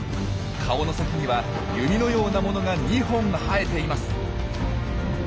顔の先には弓のようなものが２本生えています。